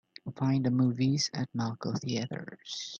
Find the movies at Malco Theatres.